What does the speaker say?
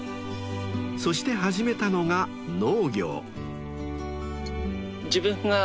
［そして始めたのが農業］